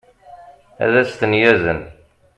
ad as-ten-yazen